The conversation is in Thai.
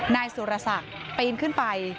นายสุรศักดิ์ปีนขึ้นไป